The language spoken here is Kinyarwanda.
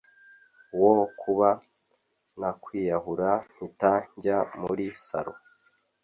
wo kuba nakwiyahura mpita njya muri salon